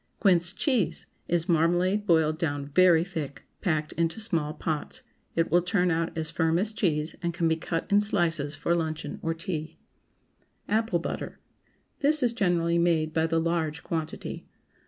QUINCE CHEESE Is marmalade boiled down very thick, packed into small pots. It will turn out as firm as cheese, and can be cut in slices for luncheon or tea. APPLE BUTTER. This is generally made by the large quantity.